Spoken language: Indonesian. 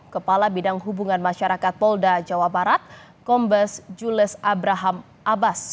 kepala bidang hubungan masyarakat polda jawa barat kombes jules abraham abbas